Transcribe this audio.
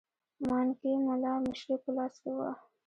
مانکي مُلا مشري په لاس کې وه.